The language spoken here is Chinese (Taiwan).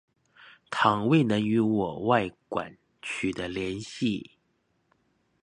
倘未能與我外館取得聯繫